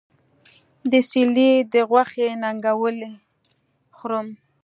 د سېرلي د غوښې ننګولی خورم